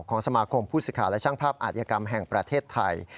ของสมาคมภูตศิษฐาและช่างภาพอาทยกรรมแห่งประเทศไทย